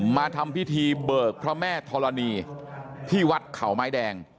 มาทำพิธีเบิกพระแม่ธรณีที่วัดเขาไม้แดง